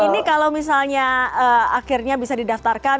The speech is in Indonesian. ini kalau misalnya akhirnya bisa didaftarkan